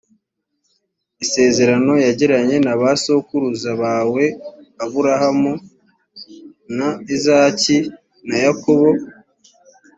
isezerano yagiranye n’abasokuruza bawe abrahamu, na izaki na yakobo.